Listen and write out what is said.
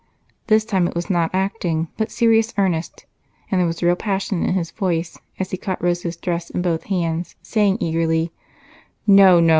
This time it was not acting, but serious, earnest, and there was real passion in his voice as he caught Rose's dress in both hands, saying eagerly: "No, no!